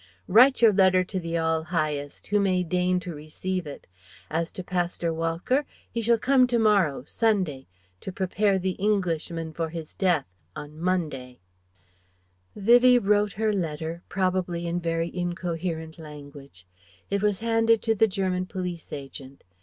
Write your letter to the All Highest, who may deign to receive it. As to Pastor Walcker, he shall come to morrow, Sunday, to prepare the Englishman for his death, on Monday " Vivie wrote her letter probably in very incoherent language. It was handed to the German police agent.